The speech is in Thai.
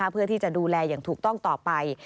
เพื่อที่จะดูแลอย่างถูกต้องต่อไป